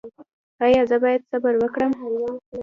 ایا زه باید صبر وکړم؟